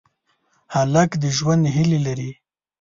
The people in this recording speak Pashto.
هلک د ژوند هیلې لري.